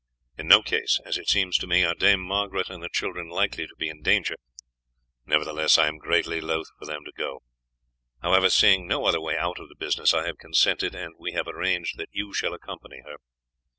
In no case, as it seems to me, are Dame Margaret and the children likely to be in danger; nevertheless, I am greatly loth for them to go. However, seeing no other way out of the business, I have consented, and we have arranged that you shall accompany her.